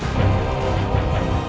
aku akan menang